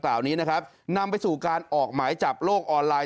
เหล่านี้นะครับนำไปสู่การออกหมายจับโลกออนไลน